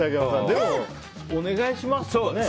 でも、お願いしますとかね。